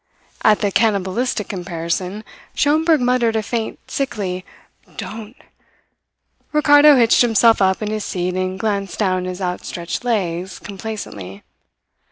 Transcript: At the cannibalistic comparison, Schomberg muttered a faint, sickly "don't." Ricardo hitched himself up in his seat and glanced down his outstretched legs complacently.